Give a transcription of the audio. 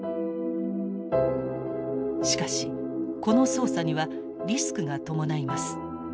しかしこの操作にはリスクが伴います。